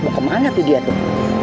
mau kemana tuh dia tuh